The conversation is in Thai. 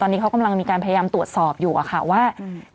ตอนนี้เขากำลังมีการพยายามตรวจสอบอยู่อะค่ะว่า